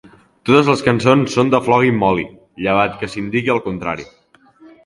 Totes les cançons són de Flogging Molly, llevat que s'indiqui el contrari.